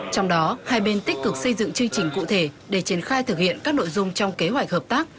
trong đó hai bên tích cực xây dựng chương trình cụ thể để triển khai thực hiện các nội dung trong kế hoạch hợp tác